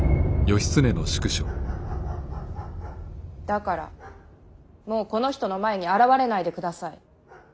だからもうこの人の前に現れないでください。